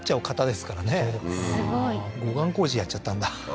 すごい護岸工事やっちゃったんだあ